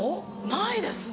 ないですね。